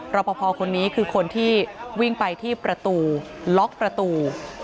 รอปภคนนี้คือคนที่วิ่งไปที่ประตูล็อกประตู